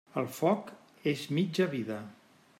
El foc és mitja vida.